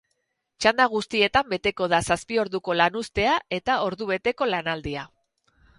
Txanda guztietan beteko da zazpi orduko lanuztea eta ordubeteko lanaldia.